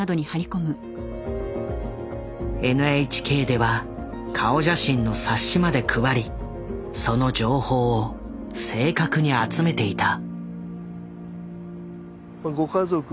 ＮＨＫでは顔写真の冊子まで配りその情報を正確に集めていた。